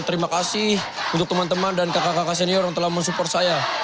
terima kasih untuk teman teman dan kakak kakak senior yang telah mensupport saya